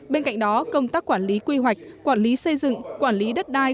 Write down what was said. bên cạnh đó công tác quản lý quy hoạch quản lý xây dựng quản lý đất đai